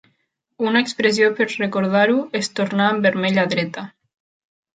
Una expressió per recordar-ho és "tornar amb vermell a dreta".